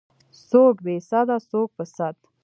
څوک بې سده څوک په سد.